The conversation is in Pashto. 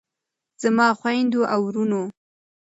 زما خویندو او وروڼو.